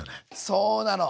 そうなの！